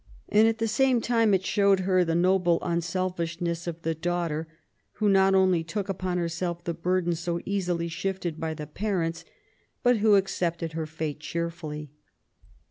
And at the same time it showed her the noble unselfishness of the daughter, who not only took upon herself the burden so easily shifted by the parents, but who accepted her fate cheerfully.